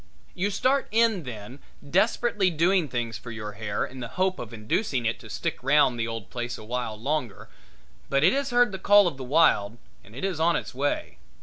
You start in then desperately doing things for your hair in the hope of inducing it to stick round the old place a while longer, but it has heard the call of the wild and it is on its way.